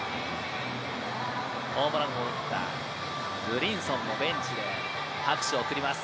ホームランを打ったブリンソンもベンチで拍手を送ります。